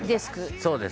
「そうです。